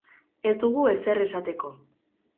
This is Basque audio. Ez dugu ezer esateko.